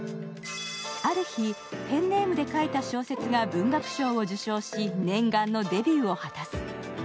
ある日、ペンネームで書いた小説が文学賞を受賞し、念願のデビューを果たす。